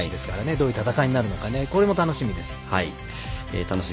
どういう戦いになるのかこれも楽しみです。